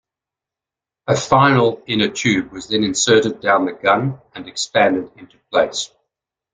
A final inner tube was then inserted down the gun and expanded into place.